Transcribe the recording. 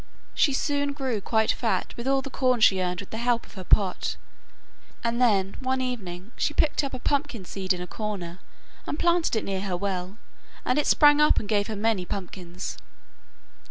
She soon grew quite fat with all the corn she earned with the help of her pot, and then one evening she picked up a pumpkin seed in a corner, and planted it near her well, and it sprang up, and gave her many pumpkins.